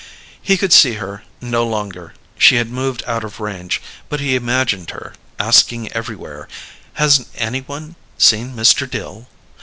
He could see her no longer she had moved out of range but he imagined her, asking everywhere: "Hasn't any one seen Mr. Dill?"